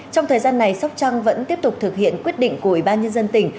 trong thời gian này sóc trăng vẫn tiếp tục thực hiện quyết định của ủy ban nhân dân tỉnh